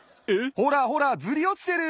ほらほらずりおちてる。